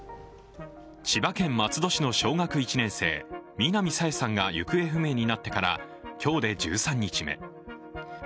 千葉県松戸市の小学１年生南朝芽さんが行方不明になってから今日で１３日目。